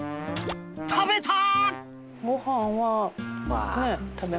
食べた！